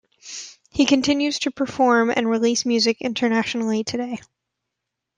He continues to perform and release music internationally today.